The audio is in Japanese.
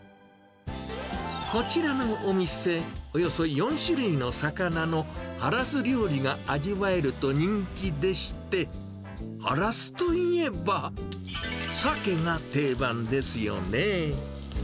こちらのお店、およそ４種類の魚のハラス料理が味わえると人気でして、ハラスといえば、サケが定番ですよね。